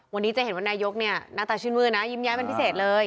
วันนี้จะเห็นว่านายกเนี่ยหน้าตาชื่นมือนะยิ้มแย้เป็นพิเศษเลย